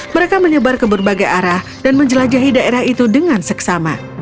mereka menyebar ke berbagai arah dan menjelajahi daerah itu dengan seksama